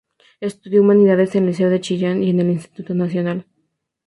Estudió humanidades en el Liceo de Chillán y en el Instituto Nacional.